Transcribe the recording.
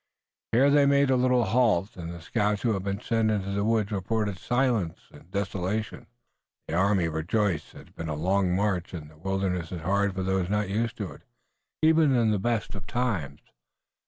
Here they made a little halt and the scouts who had been sent into the woods reported silence and desolation. The army rejoiced. It had been a long march, and the wilderness is hard for those not used to it, even in the best of times.